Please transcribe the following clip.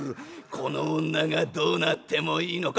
『この女がどうなってもいいのか』。